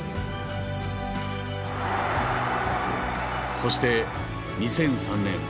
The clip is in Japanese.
そして２００３年。